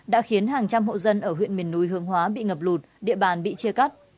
đã khiến hàng trăm hộ dân ở huyện miền núi hương hóa bị ngập lụt địa bàn bị chia cắt